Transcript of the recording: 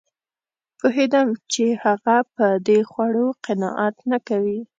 پوهېدم چې هغه په دې خوړو قناعت نه کوي